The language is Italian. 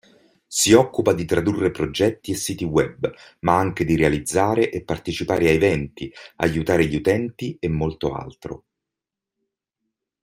Si occupa di tradurre progetti e siti web, ma anche di realizzare e partecipare a eventi, aiutare gli utenti, e molto altro.